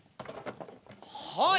はい。